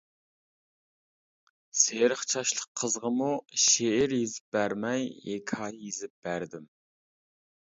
سېرىق چاچلىق قىزغىمۇ شېئىر يېزىپ بەرمەي ھېكايە يېزىپ بەردىم.